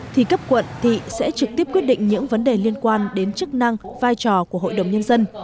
thì cấp quận thị sẽ trực tiếp quyết định những vấn đề liên quan đến chức năng vai trò của hội đồng nhân dân